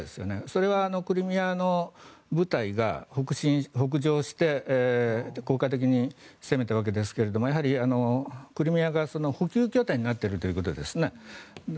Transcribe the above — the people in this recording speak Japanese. それはクリミアの部隊が北上して効果的に攻めたわけですがクリミアが補給拠点になっているということですね。